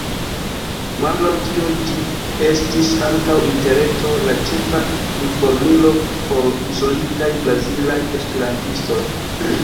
Malgraŭ tio ĝi estis antaŭ Interreto la ĉefa informilo por izolitaj brazilaj esperantistoj.